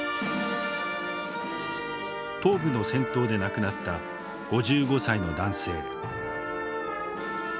東部の戦闘で亡くなった５５歳の男性。